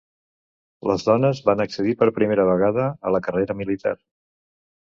Les dones van accedir per primera vegada a la carrera militar.